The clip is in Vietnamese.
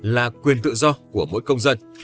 là quyền tự do của mỗi công dân